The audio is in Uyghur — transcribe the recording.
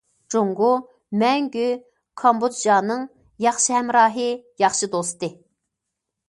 جۇڭگو مەڭگۈ كامبودژانىڭ ياخشى ھەمراھى، ياخشى دوستى.